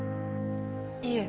いえ。